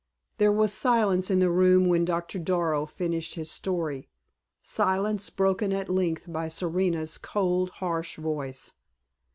There was silence in the room when Doctor Darrow finished his story silence broken at length by Serena's cold, harsh voice.